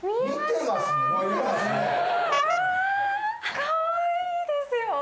かわいいですよ！